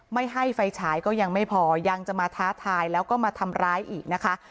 ไม่ให้ไฟฉายก็ยังไม่พอยังจะมาท้าทายแล้วก็มาทำร้ายอีกนะคะ